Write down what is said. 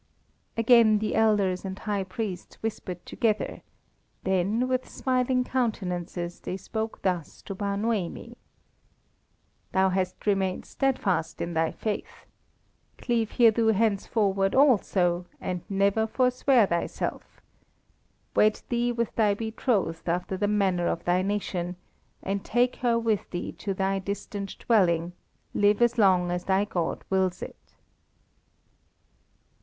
Again the elders and high priests whispered together, then, with smiling countenances, they spoke thus to Bar Noemi "Thou hast remained steadfast in thy faith. Cleave thereto henceforward also, and never forswear thyself. Wed thee with thy betrothed after the manner of thy nation, and take her with thee to thy distant dwelling; live as long as thy God wills it."